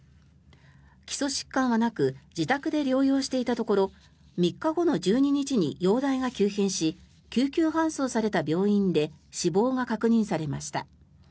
基礎疾患はなく自宅で療養していたところ３日後の１２日に容体が急変し救急搬送された病院で死亡が確認されました。